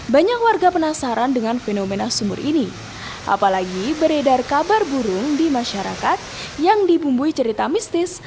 banyak warga penasaran dengan fenomena sumur ini apalagi beredar kabar burung di masyarakat yang dibumbui cerita mistis